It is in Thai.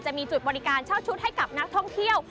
จะมีจุดบริการเช่าชุดให้กับนักท่องเที่ยว